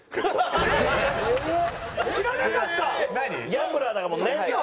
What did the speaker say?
ギャンブラーだもんね。